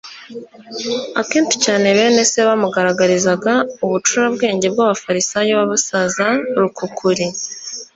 Akenshi cyane, bene se bamugaragarizaga ubucurabwenge bw'abafarisayo b'abasaza rukukuri,